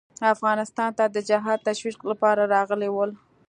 افغانستان ته د جهاد تشویق لپاره راغلي ول.